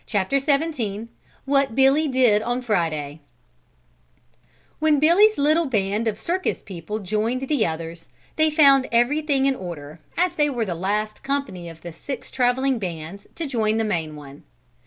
What Billy Did on Friday When Billy's little band of circus people joined the others they found everything in order as they were the last company of the six traveling bands to join the main one.